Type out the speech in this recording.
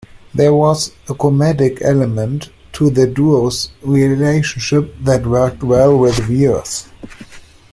There was a comedic element to the duo's relationship that worked well with viewers.